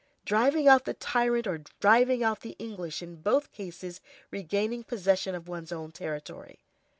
Driving out the tyrant or driving out the English, in both cases, regaining possession of one's own territory.